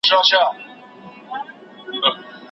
ولي کورني شرکتونه خوراکي توکي له ایران څخه واردوي؟